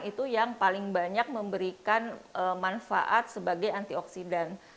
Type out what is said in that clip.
itu yang paling banyak memberikan manfaat sebagai antioksidan